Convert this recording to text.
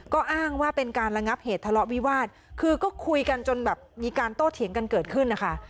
ก็อ้างว่าเป็นการระงับเหตุทะเลาะวิวาสคือก็คุยกันจนแบบมีการโต้เถียงกันเกิดขึ้นนะคะ